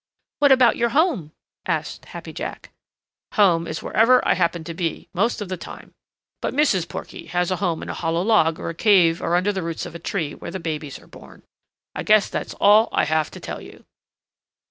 "What about your home?" asked Happy Jack. "Home is wherever I happen to be, most of the time, but Mrs. Porky has a home in a hollow log or a cave or under the roots of a tree where the babies are born. I guess that's all I've got to tell you."